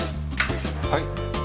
はい。